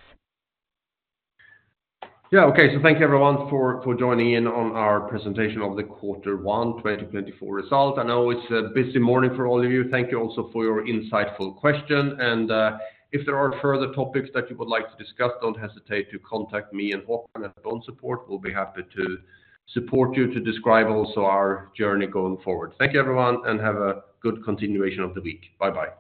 Yeah. Okay. Thank you, everyone, for joining in on our presentation of the quarter one 2024 result. I know it's a busy morning for all of you. Thank you also for your insightful question. If there are further topics that you would like to discuss, don't hesitate to contact me and Håkan at BONESUPPORT. We'll be happy to support you to describe also our journey going forward. Thank you, everyone, and have a good continuation of the week. Bye-bye.